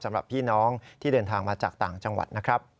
สำหรับพี่น้องที่เดินทางมาจากต่างจังหวัดนะครับ